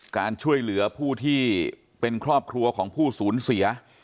การช่วยเหลือผู้ที่เป็นครอบครัวของผู้สูญเสีย